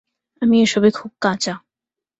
আমি এসবে খুব কাঁচা।